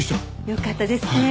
よかったですね。